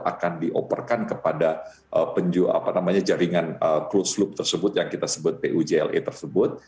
akan dioperekan kepada jaringan closed loop tersebut yang kita sebut pujla tersebut